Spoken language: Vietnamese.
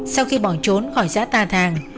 sau khi bỏ trốn khỏi xã tà thàng